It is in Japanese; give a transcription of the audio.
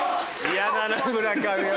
嫌だな村上は。